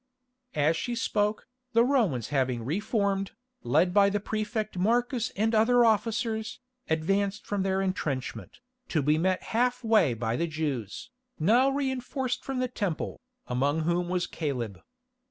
As she spoke, the Romans having re formed, led by the Prefect Marcus and other officers, advanced from their entrenchment, to be met half way by the Jews, now reinforced from the Temple, among whom was Caleb.